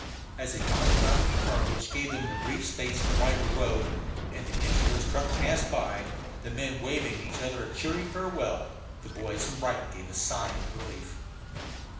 As they finally rounded the turn which gave them the brief space of wider road, and the engineers' truck passed by, the men waving each other a cheery farewell, the boys from Brighton gave a sigh of relief.